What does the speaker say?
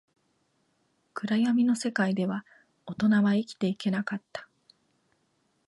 暗闇の世界では、大人は生きていけなかった